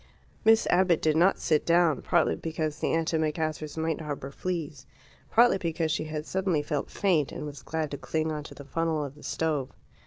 Miss Abbott did not sit down, partly because the antimacassars might harbour fleas, partly because she had suddenly felt faint, and was glad to cling on to the funnel of the stove.